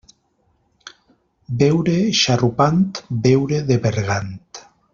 Beure xarrupant, beure de bergant.